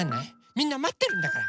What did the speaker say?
みんなまってるんだから！